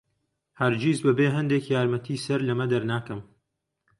هەرگیز بەبێ هەندێک یارمەتی سەر لەمە دەرناکەم.